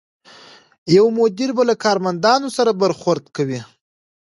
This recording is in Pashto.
یو مدیر به له کارمندانو سره برخورد کوي.